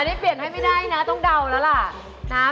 อันนี้เปลี่ยนให้ไม่ได้นะต้องเดาแล้วล่ะนะ